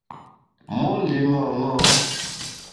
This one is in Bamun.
Mon lié ṅaṅâ.